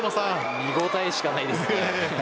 見応えしかないですね。